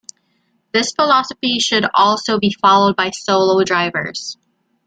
This philosophy should also be followed by solo divers.